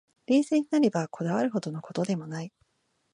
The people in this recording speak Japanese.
冷静になれば、こだわるほどの事でもない